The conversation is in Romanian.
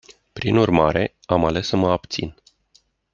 Prin urmare, am ales să mă abțin.